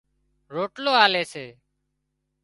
روٽلو آلي سي